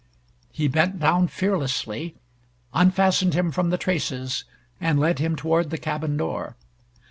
_" He bent down fearlessly, unfastened him from the traces, and led him toward the cabin door.